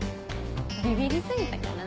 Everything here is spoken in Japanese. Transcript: ビビり過ぎたからな。